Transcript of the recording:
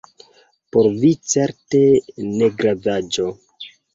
Por vi certe negravaĵo!